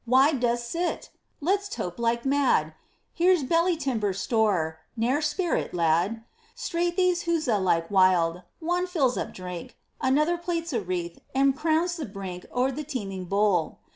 why dost sit ! let's tope like mad ! Here's belly timber store ; ne'er spare it, lad. Straight these huzza like wild. One fills up drink ; Another plaits a wreath, and crowns the brink O' th' teeming bowl.